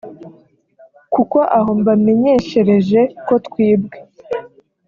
kuko aho mbamenyeshereje ko twibwe